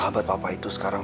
sahabat papa itu sekarang